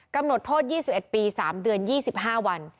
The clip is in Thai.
กำหนดโทษ๒๑ปี๓เดือน๒๕วัน